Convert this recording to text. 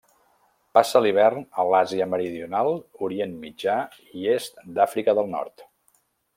Passa l'hivern a l'Àsia Meridional, Orient Mitjà i est d'Àfrica del Nord.